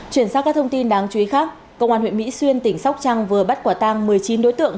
chuyển sang các thông tin đáng chú ý khác công an huyện mỹ xuyên tỉnh sóc trăng vừa bắt quả tang một mươi chín đối tượng